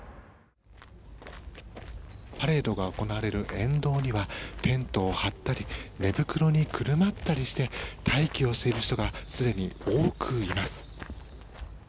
パレードが行われる沿道にはテントを張ったり寝袋に包まったりして待機をしている人がすでに多くいます。